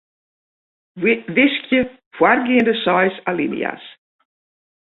Wiskje foargeande seis alinea's.